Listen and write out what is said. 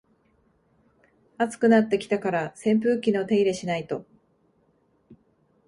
暑くなってきたから扇風機の手入れしないと